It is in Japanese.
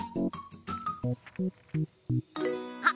あっ！